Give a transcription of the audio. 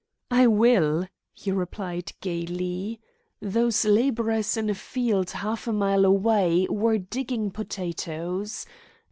"I will," he replied gaily. "Those labourers in a field half a mile away were digging potatoes.